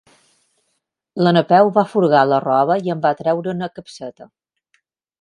La Napeu va furgar a la roba i en va treure una capseta.